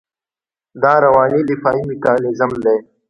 دا رواني دفاعي میکانیزم دی.